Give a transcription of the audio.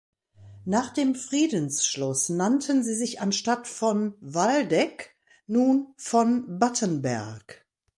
Nach dem Friedensschluss nannten sie sich anstatt "von Waldeck" nun "von Battenberg".